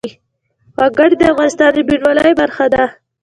وګړي د افغانستان د بڼوالۍ برخه ده.